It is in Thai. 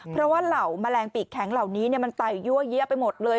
เพราะว่าเหล่าแมลงปีกแข็งเหล่านี้มันไต่ยั่วเยี้ยไปหมดเลย